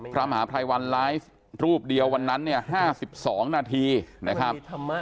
พระมหาภัยวันไลฟ์รูปเดียววันนั้นเนี่ย๕๒นาทีนะครับ